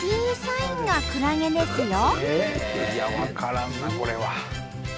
いや分からんなこれは。